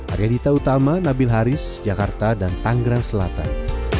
arya dita utama nabil haris jakarta dan tanggerang selatan